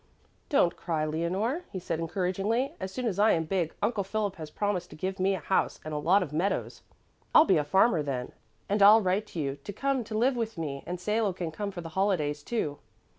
"Don't cry, Leonore," he said encouragingly. "As soon as I am big, Uncle Philip has promised to give me a house and a lot of meadows. I'll be a farmer then, and I'll write to you to come to live with me, and Salo can come for the holidays, too."